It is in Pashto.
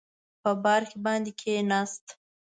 په بارکي باندې کېناست.